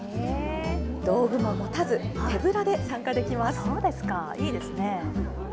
道具も持たず、手ぶらで参加できます。